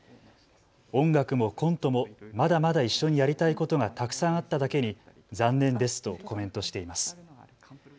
音楽もコントもまだまだ一緒にやりたいことがたくさんあっただけに残念ですとコメントしています。